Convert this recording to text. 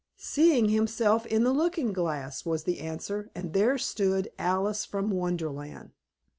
"Seeing himself in the looking glass," was the answer, and there stood Alice from Wonderland.